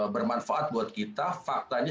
bermanfaat buat kita faktanya